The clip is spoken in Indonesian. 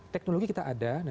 teknologi kita ada